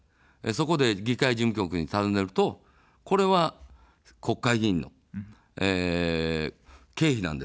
そこで、議会事務局にたずねると、これは、国会議員の経費なんですよと。